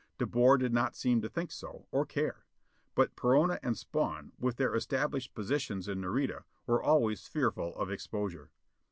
De Boer did not seem to think so, or care. But Perona and Spawn, with their established positions in Nareda, were always fearful of exposure.